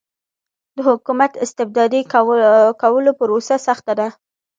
د حکومت د استبدادي کولو پروسه سخته کړه.